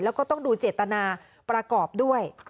แล้วก็ต้องดูเจตนาประกอบด้วย